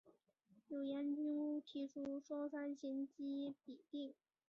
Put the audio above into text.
有研究提出双三嗪基吡啶。